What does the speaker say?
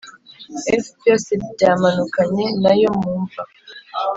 f Byose byamanukanye na yo mu mva